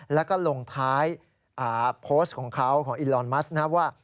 แล้วก็ลงท้ายโพสต์ของเขาของอิลอนมัสนะครับว่า